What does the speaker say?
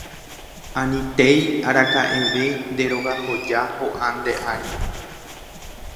Anitéi araka'eve nde rogahoja ho'a nde ári